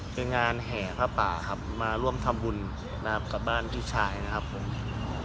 เป็นงานแห่ผ้าป่าครับมาร่วมทำบุญนะครับกับบ้านพี่ชายนะครับผม